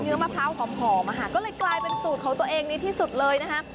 มะพร้าวหอมอะค่ะก็เลยกลายเป็นสูตรของตัวเองในที่สุดเลยนะคะ